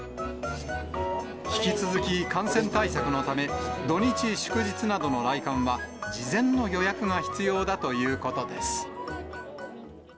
引き続き、感染対策のため、土日祝日などの来館は、事前の予約が必要だということです。